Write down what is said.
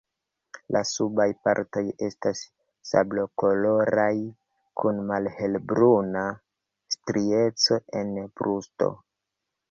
La subaj partoj estas sablokoloraj kun malhelbruna strieco en brusto.